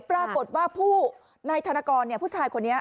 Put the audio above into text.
ปรากฏว่าผู้นายธนกรผู้ชายคนนี้